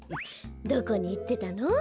どこにいってたの？